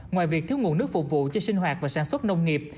ngoài việc thiếu nguồn nước phục vụ cho sinh hoạt và sản xuất nông nghiệp